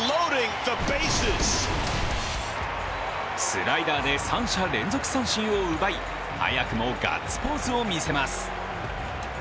スライダーで三者連続三振を奪い早くもガッツポーズを見せます。